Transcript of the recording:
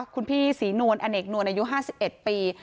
คุณพี่ศรีนวลอเนกนวลอายุ๕๑ปี